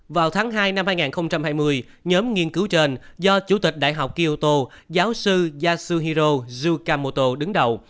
vào tháng hai năm hai nghìn hai mươi nhóm nghiên cứu trên do chủ tịch đại học kioto giáo sư yasuhiro zukamoto đứng đầu